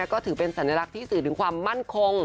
ก็ถือเป็นสัญลักษณ์ที่สื่อถึงความมั่นคง